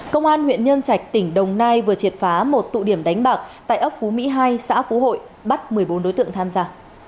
công an huyện nhân trạch tỉnh đồng nai vừa triệt phá một tụ điểm đánh bạc tại ấp phú mỹ hai xã phú hội bắt một mươi bốn đối tượng tham gia